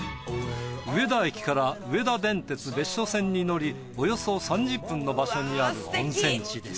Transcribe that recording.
上田駅から上田電鉄別所線に乗りおよそ３０分の場所にある温泉地です。